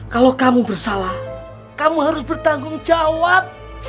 kalau kamu bersalah kamu harus bertanggung jawab